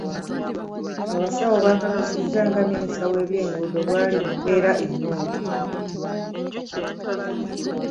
Abasawo bakakasizza nga Minisita w’ebyenguudo bw’ali mu mbeera ennungi.